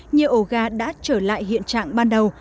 nhiều ổ gà đã trở lại hiện trạng ban đầu